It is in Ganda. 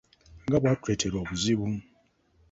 Nga bwatuleetera obuzibu!